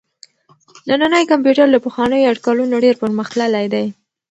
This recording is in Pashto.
نننی کمپيوټر له پخوانيو اټکلونو ډېر پرمختللی دی.